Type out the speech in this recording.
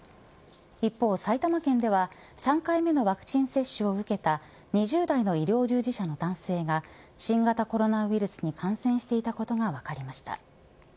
一方、埼玉県では３回目のワクチン接種を受けた２０代の医療従事者の男性が新型コロナウイルスに感染していたことが分かりました。